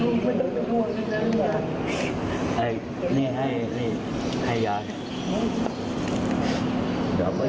ลูกไม่ต้องจะพวงนะลูกยา